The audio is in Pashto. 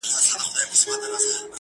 د شهیدانو د قبرونو کوي.!